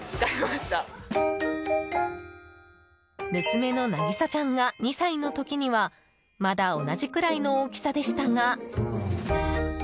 娘のなぎさちゃんが２歳の時にはまだ同じくらいの大きさでしたが。